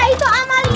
itu apa sih